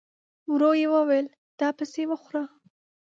ورو يې وويل: دا پسې وخوره!